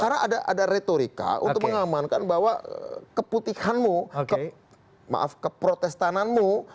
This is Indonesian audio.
karena ada retorika untuk mengamankan bahwa keputihanmu maaf keprotestananmu